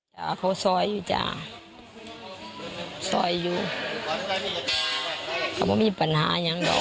ท่านก็ไม่มีปัญหาอย่างเดา